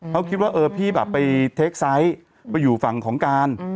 เขาคิดว่าเออพี่แบบไปเทคไซต์ไปอยู่ฝั่งของการ